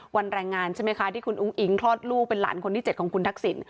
แรงงานใช่ไหมคะที่คุณอุ้งอิงคลอดลูกเป็นหลานคนที่๗ของคุณทักษิณ